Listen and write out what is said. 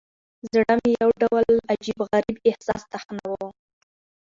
زړه مې يو ډول عجيب، غريب احساس تخنوه.